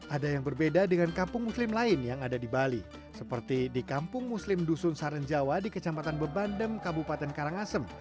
ada yang berbeda dengan kampung muslim lain yang ada di bali seperti di kampung muslim dusun sarenjawa di kecamatan bebandem kabupaten karangasem